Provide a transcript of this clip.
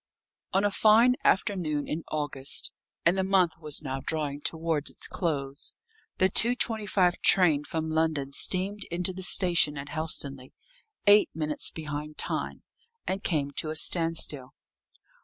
On a fine afternoon in August and the month was now drawing towards its close the 2.25 train from London steamed into the station at Helstonleigh, eight minutes behind time, and came to a standstill.